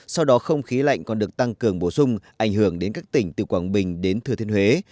sau đó không khí lạnh còn được tăng cường bổ sung ảnh hưởng đến các tỉnh từ quảng bình đến thừa thiên huế